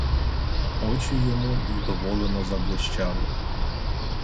Очі йому вдоволено заблищали.